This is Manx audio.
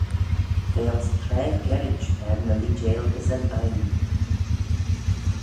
V'eh ayns traa gerrid er ny leeideil gys yn oaie.